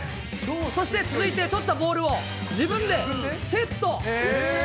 そして続いて捕ったボールを、自分でセット。